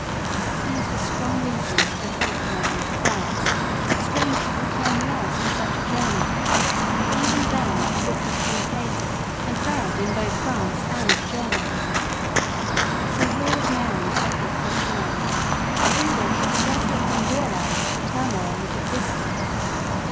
These were strong reasons to attract Mary to France, strange as the time was for such a journey ; but even then her book was translated and read both in France and Germany. So here was Mary settled for a time, the English scarcely having realised the turmoil that existed.